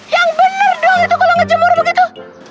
yang bener doang itu kalau ngejemur begitu